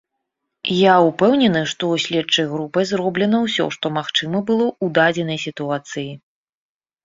Я ўпэўнены, што следчай групай зроблена ўсё, што магчыма было ў дадзенай сітуацыі.